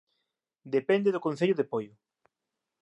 Depende do Concello de Poio